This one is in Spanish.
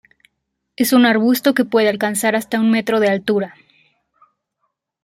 Es un arbusto que puede alcanzar hasta un metro de altura.